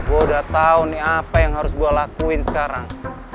gue udah tau nih apa yang harus gue lakuin sekarang